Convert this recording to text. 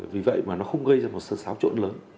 vì vậy mà nó không gây ra một sự xáo trộn lớn